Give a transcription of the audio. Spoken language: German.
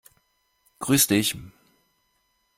Grüß dich!